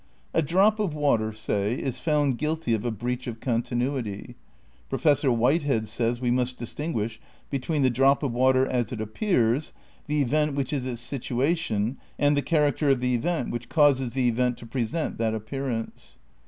A drop of water, say, is found guilty of a breach of continuity. Professor Whitehead says we must distinguish between the drop of water as it appears, the event which is its situation, and "the character of the event which causes the event to present that appearance."